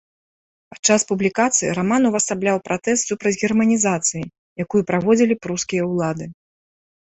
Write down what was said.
Падчас публікацыі раман увасабляў пратэст супраць германізацыі, якую праводзілі прускія ўлады.